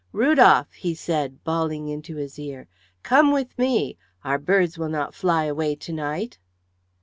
"Rudolf," he said, bawling into his ear, "come with me! Our birds will not fly away to night."